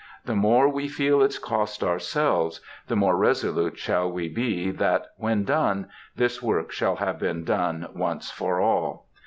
The more we feel its cost ourselves, the more resolute shall we be that, when done, this work shall have been done once for all.